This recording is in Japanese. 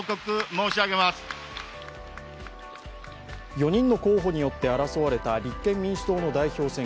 ４人の候補によって争われた立憲民主党の代表候補。